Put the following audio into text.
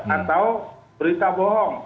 atau berita bohong